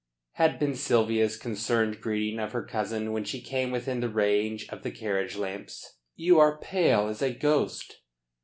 had been Sylvia's concerned greeting of her cousin when she came within the range of the carriage lamps. "You are pale as a ghost."